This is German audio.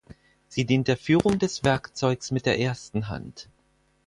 Sie dient der Führung des Werkzeugs mit der ersten Hand.